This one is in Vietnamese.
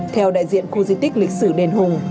theo đại diện khu di tích lịch sử đền hùng